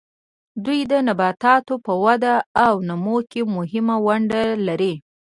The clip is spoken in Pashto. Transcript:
دوی د نباتاتو په وده او نمو کې مهمه ونډه لري.